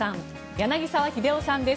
柳澤秀夫さんです。